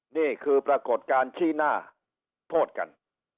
นี่คือปรากฏการณ์ชี้หน้าโทษกัน